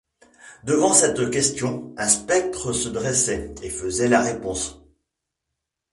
Devant cette question un spectre se dressait, et faisait la réponse.